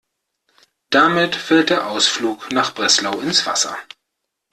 Damit fällt der Ausflug nach Breslau ins Wasser.